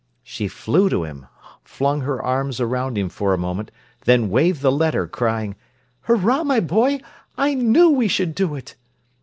She flew to him, flung her arms round him for a moment, then waved the letter, crying: "Hurrah, my boy! I knew we should do it!"